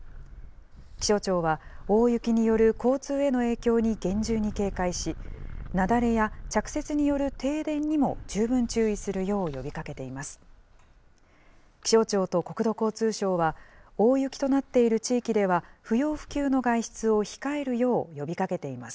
気象庁は大雪による交通への影響に厳重に警戒し、雪崩や着雪による停電にも十分注意するよう呼びかけています。